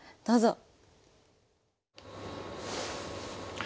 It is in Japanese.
どうぞ。